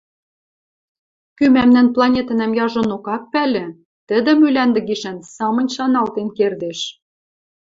Кӱ мӓмнӓн планетӹнӓм яжонок ак пӓлӹ, тӹдӹ Мӱлӓндӹ гишӓн самынь шаналтен кердеш.